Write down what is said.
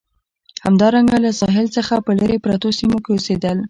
همدارنګه له ساحل څخه په لرې پرتو سیمو کې اوسېدل.